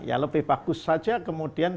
ya lebih bagus saja kemudian